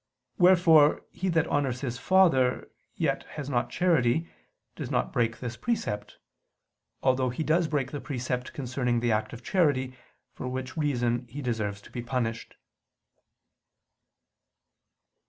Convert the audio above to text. Wherefore he that honors his father, yet has not charity, does not break this precept: although he does break the precept concerning the act of charity, for which reason he deserves to be punished.